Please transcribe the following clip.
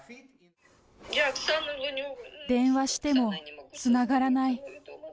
電話してもつながらない。